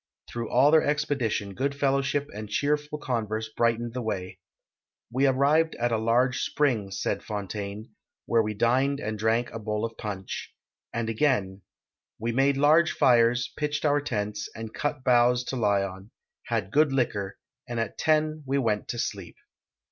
Through all their expedition good fellowship and cheerful con verse brightened the way. " We arrived at a large spring," said SPOTTSWOOD'S EXPEDITION OF 1716 267 Fontaine, " where we dined and drank a bowl of punch." And again, '' We made large fires, pitched our tents, and cut boughs to lie on, had good liquor, and at ten we went to sleep."